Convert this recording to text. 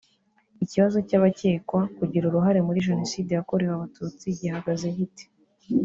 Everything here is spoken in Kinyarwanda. Ikibazo cy’abakekwa kugira uruhare muri Jenoside yakorewe Abatutsi gihagaze gite